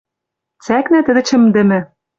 Цӓкнӓ тӹдӹ чӹмдӹмӹ.